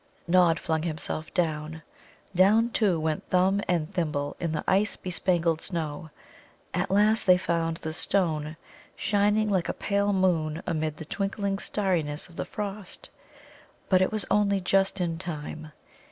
Nod flung himself down; down, too, went Thumb and Thimble in the ice bespangled snow. At last they found the stone, shining like a pale moon amid the twinkling starriness of the frost. But it was only just in time.